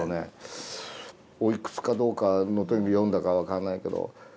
おいくつかどうかの時詠んだか分かんないけど。